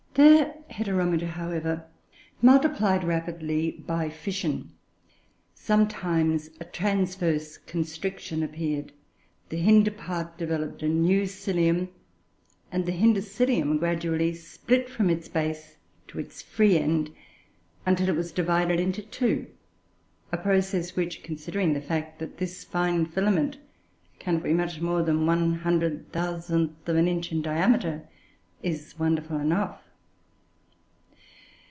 Their Heteromita, however, multiplied rapidly by fission. Sometimes a transverse constriction appeared; the hinder half developed a new cilium, and the hinder cilium gradually split from its base to its free end, until it was divided into two; a process which, considering the fact that this fine filament cannot be much more than 1/100000 of an inch in diameter, is wonderful enough.